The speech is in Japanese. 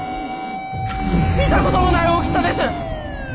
見たことのない大きさです！